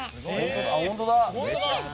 本当だ！